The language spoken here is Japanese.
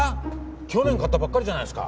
去年買ったばっかりじゃないですか。